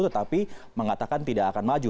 tetapi mengatakan tidak akan maju